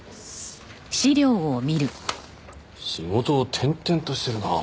仕事を転々としてるな。